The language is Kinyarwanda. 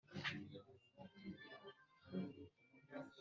kwihana Mu bihe by abacengezi mu Turere